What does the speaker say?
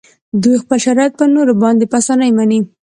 دوی خپل شرایط په نورو باندې په اسانۍ مني